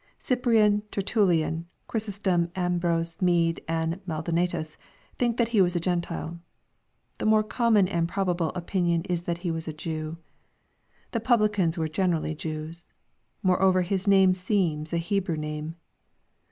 Cyprian, Tertullian, Chrysostom, Ambrose, Bode, and Maldonatus, think that he was a G entile. — The more common and probable opinion is that he was a Jew. The publicans were generally Jews. Mcreover, his name seems a Hebrew name.